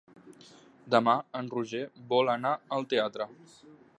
Demà en Roger vol anar al teatre.